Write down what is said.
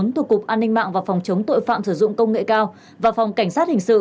thuộc cục an ninh mạng và phòng chống tội phạm sử dụng công nghệ cao và phòng cảnh sát hình sự